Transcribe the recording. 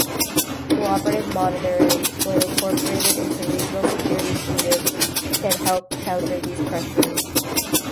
Cooperative monitoring, when incorporated into a regional security agreement, can help counter these pressures.